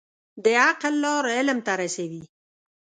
د عقل لار علم ته رسوي.